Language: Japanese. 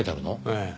ええ。